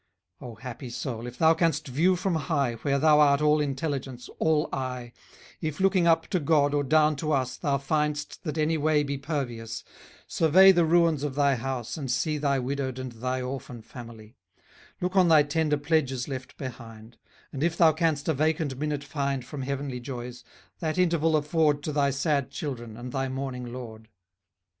} O happy soul! if thou canst view from high, Where thou art all intelligence, all eye, If looking up to God, or down to us, Thou find'st, that any way be pervious, Survey the ruins of thy house, and see Thy widowed and thy orphan family; Look on thy tender pledges left behind; And, if thou canst a vacant minute find From heavenly joys, that interval afford To thy sad children, and thy mourning lord.